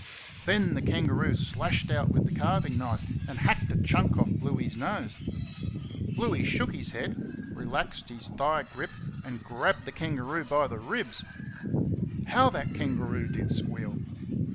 Then the kangaroo slashed out with the carving knife, and hacked a junk off Bluey's nose. Bluey shook his head, relaxed his thigh grip, and grabbed the kangaroo by the ribs. How that kangaroo did squeal!